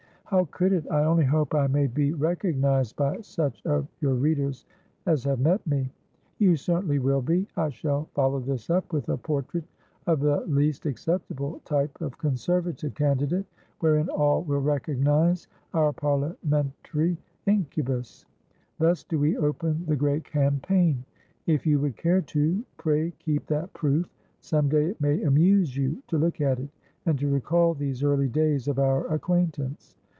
"How could it? I only hope I may be recognised by such of your readers as have met me." "You certainly will be. I shall follow this up with a portrait of the least acceptable type of Conservative candidate, wherein all will recognise our Parliamentary incubus. Thus do we open the great campaign! If you would care to, pray keep that proof; some day it may amuse you to look at it, and to recall these early days of our acquaintance.